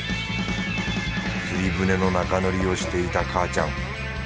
釣り船のなかのりをしていた母ちゃん。